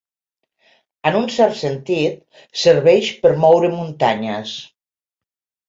En un cert sentit, serveix per moure muntanyes.